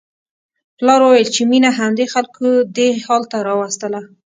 پلار وویل چې مينه همدې خلکو دې حال ته راوستله